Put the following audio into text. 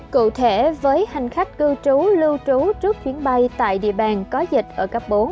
cụ thể với hành khách cư trú lưu trú trước chuyến bay tại địa bàn có dịch ở cấp bốn